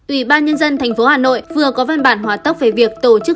ủy ban nhân dân tp hà nội vừa có văn bản hòa tốc về việc tổ chức